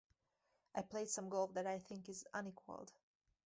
I played some golf that I think is unequaled.